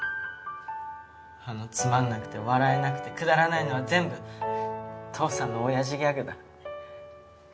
あのつまんなくて笑えなくてくだらないのは全部父さんの親父ギャグだ。